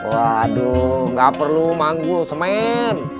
waduh nggak perlu manggul semen